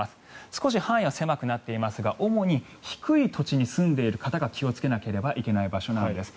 少し範囲は狭くなっていますが主に低い土地に住んでいる方が気をつけなければいけない場所なんです。